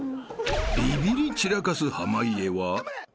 ［ビビり散らかす濱家は］